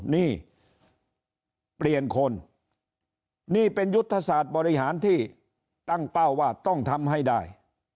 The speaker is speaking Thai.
นี่เป็นยุทธศาสตร์บริหารที่ตั้งเป้าว่าต้องทำให้ได้